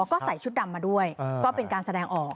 ก็ใส่ชุดดำมาด้วยก็เป็นการแสดงออก